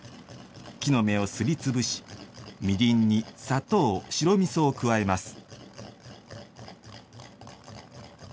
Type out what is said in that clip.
木の芽をすり潰しみりんに砂糖、白みそを加えます。